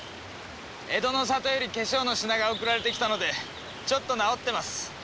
江戸の実家より化粧の品が送られてきたのでちょっと直ってます。